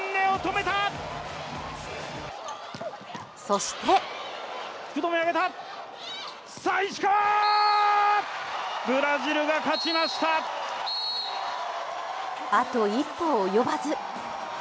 そしてあと一歩及ばず。